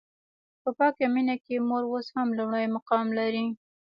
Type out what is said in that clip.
په پاکه مینه کې مور اوس هم لومړی مقام لري.